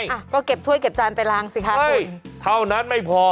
อ่ะก็เก็บถ้วยเก็บจานไปล้างสิคะเท่านั้นไม่พอ